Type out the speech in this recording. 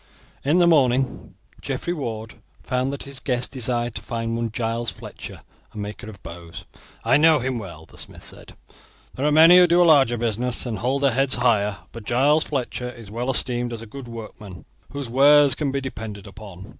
In the morning Geoffrey Ward found that his guest desired to find one Giles Fletcher, a maker of bows. "I know him well," the smith said. "There are many who do a larger business, and hold their heads higher; but Giles Fletcher is well esteemed as a good workman, whose wares can be depended upon.